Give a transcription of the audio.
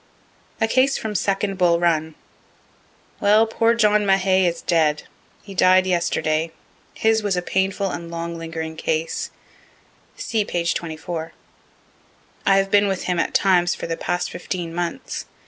A CASE FROM SECOND BULL RUN Well, Poor John Mahay is dead. He died yesterday. His was a painful and long lingering case (see p. 24 ante.) I have been with him at times for the past fifteen months.